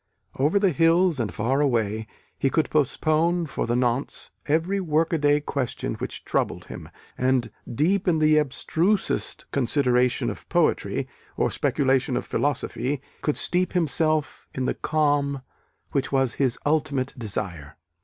Over the hills and far away, he could postpone for the nonce every workaday question which troubled him, and, deep in the abstrusest consideration of poetry, or speculation of philosophy, could steep himself in the calm which was his ultimate desire.